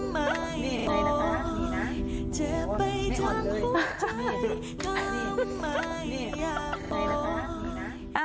นี่ไปให้ดีนะค่ะ